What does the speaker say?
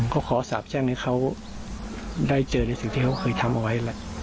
ก็ขอสาบแช่งให้เขาได้เจอในสิ่งที่เขาเคยทำเอาไว้แหละ